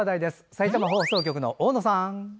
さいたま放送局の大野さん。